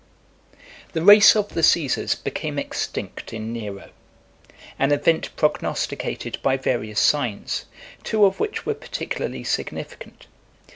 The race of the Caesars became extinct in Nero; an event prognosticated by various signs, two of which were particularly significant.